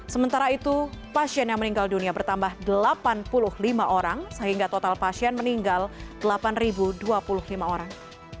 sementara itu pasien yang meninggal dunia bertambah delapan puluh lima orang sehingga total pasien meninggal delapan dua puluh lima orang